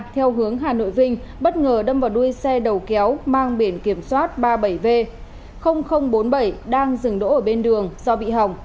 theo hướng hà nội vinh bất ngờ đâm vào đuôi xe đầu kéo mang biển kiểm soát ba mươi bảy v bốn mươi bảy đang dừng đỗ ở bên đường do bị hỏng